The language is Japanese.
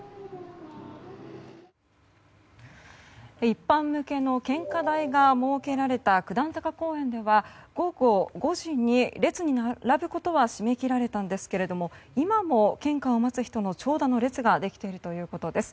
一般向けの献花台が設けられた九段坂公園では午後５時に列に並ぶことは締め切られたんですが今も献花を待つ人の長蛇の列ができているということです。